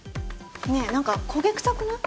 ねえ何か焦げ臭くない？